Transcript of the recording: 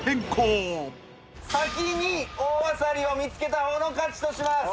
先に大アサリを見つけた方の勝ちとします！